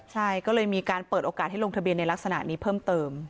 ใช่ก็เลยมีการเปิดโอกาสให้ลงทะเบียนในลักษณะนี้เพิ่มเติม